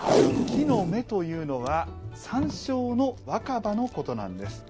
木の芽というのは山椒の若葉のことなんです。